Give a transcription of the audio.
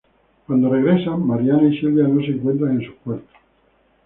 Cuando regresan, Mariana y Silvia no se encuentran en sus cuartos.